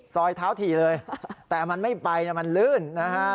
รอยเท้าถี่เลยแต่มันไม่ไปนะมันลื่นนะฮะ